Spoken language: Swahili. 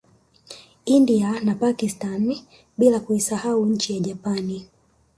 India na Pakstani bila kuisahau nchi ya Japani